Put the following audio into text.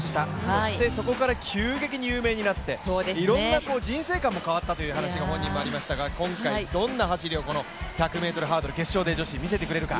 そしてそこから急激に有名になって、いろんな人生観も変わったという話が本人もありましたが、今回どんな走りを１００ｍハードル決勝で見せてくれるか。